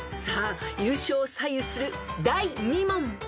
［さあ優勝を左右する第２問］